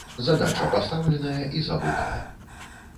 Задача пастаўленая і забытая.